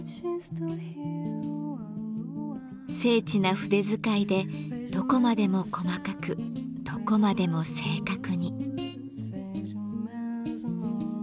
精緻な筆使いでどこまでも細かくどこまでも正確に。